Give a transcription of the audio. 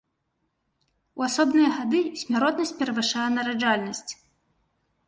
У асобныя гады смяротнасць перавышае нараджальнасць.